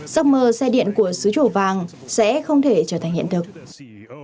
giấc mơ xe điện của xứ chủ vàng sẽ không thể trở thành hiện thực